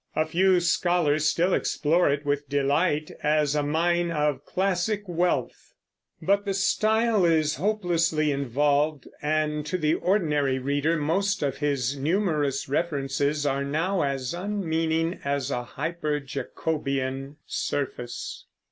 A few scholars still explore it with delight, as a mine of classic wealth; but the style is hopelessly involved, and to the ordinary reader most of his numerous references are now as unmeaning as a hyper jacobian surface.